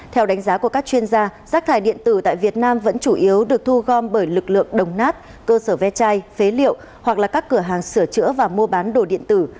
theo đánh giá của các chuyên gia rác thải điện tử tại việt nam vẫn chủ yếu được thu gom bởi lực lượng đồng nát cơ sở ve chai phế liệu hoặc là các cửa hàng sửa chữa và mua bán đồ điện tử